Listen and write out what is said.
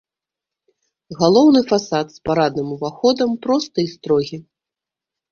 Галоўны фасад з парадным уваходам просты і строгі.